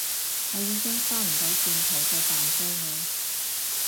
我已經返唔到轉頭再扮追你